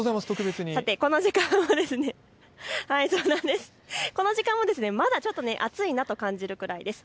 さて、この時間もまだちょっと暑いなと感じるくらいです。